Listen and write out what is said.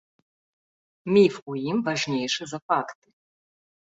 Міф у ім важнейшы за факты.